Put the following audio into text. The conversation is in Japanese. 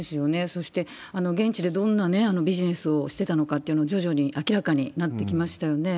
そして、現地でどんなビジネスをしてたのかってのが、徐々に明らかになってきましたよね。